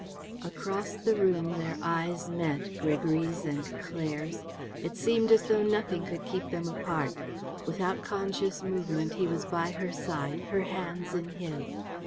Across the room their eyes met Gregory's and Claire's. It seemed as though nothing could keep them apart. Without conscious movement he was by her side, her hands in his.